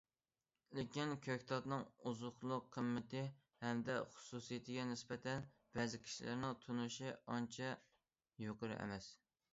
لېكىن، كۆكتاتنىڭ ئوزۇقلۇق قىممىتى ھەمدە خۇسۇسىيىتىگە نىسبەتەن بەزى كىشىلەرنىڭ تونۇشى ئانچە يۇقىرى ئەمەس.